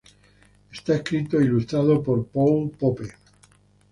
Está escrito e ilustrado por Paul Pope.